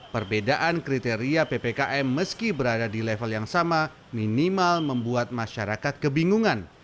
perbedaan kriteria ppkm meski berada di level yang sama minimal membuat masyarakat kebingungan